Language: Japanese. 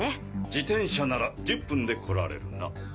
自転車なら１０分で来られるな。